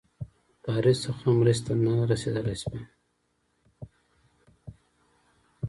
پاریس څخه مرستي ته نه رسېدلای سوای.